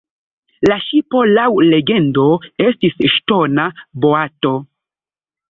La ŝipo laŭ legendo estis “ŝtona boato”.